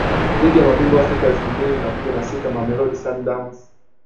Ligi ya Mabingwa Afrika elfu mbili na kumi na sita Mamelodi Sundowns